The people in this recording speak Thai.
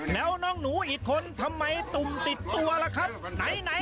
แล้วน้องหนูอีกคนทำไมตุ่มติดตัวล่ะครับ